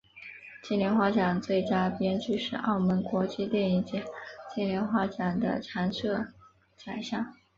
金莲花奖最佳编剧是澳门国际电影节金莲花奖的常设奖项。